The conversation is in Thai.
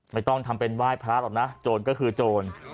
ไม่ต้องทำเป็นไหว้พระหรอกนะโจรก็คือโจร